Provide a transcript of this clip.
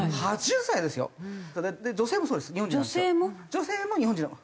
女性も日本人の方。